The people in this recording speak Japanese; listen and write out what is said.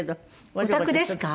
お宅ですか？